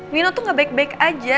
nino tuh gak baik baik aja